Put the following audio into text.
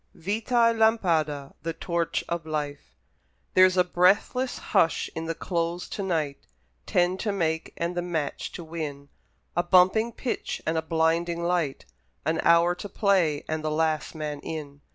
Goethe VITAÏ LAMPADA (The Torch of Life) There's a breathless hush in the Close to night Ten to make and the match to win A bumping pitch and a blinding light, An hour to play and the last man in.